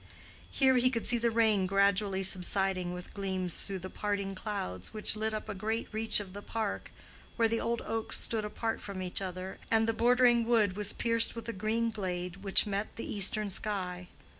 Here he could see the rain gradually subsiding with gleams through the parting clouds which lit up a great reach of the park, where the old oaks stood apart from each other, and the bordering wood was pierced with a green glade which met the eastern sky.